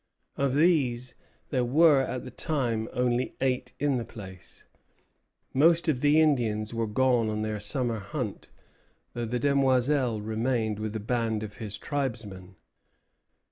Of these there were at the time only eight in the place. Most of the Indians also were gone on their summer hunt, though the Demoiselle remained with a band of his tribesmen.